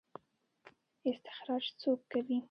استخراج څوک کوي؟